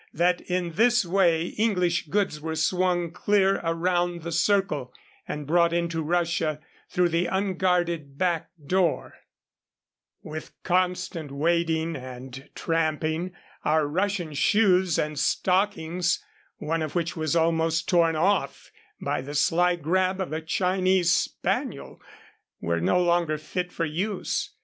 General Bauman at Vernoye had informed us that in this way English goods were swung clear around the circle and brought into Russia through the unguarded back door. With constant wading and tramping, our Russian shoes and stockings, one of which was almost torn off by the sly grab of a Chinese spaniel, were no longer fit for use.